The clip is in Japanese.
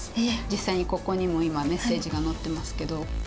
実際にここにも今メッセージが載ってますけど。